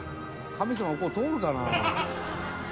神様ここ通るかな？」